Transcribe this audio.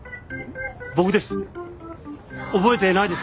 僕です。